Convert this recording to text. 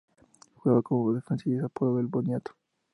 Jugaba como defensa y es apodado "El Boniato".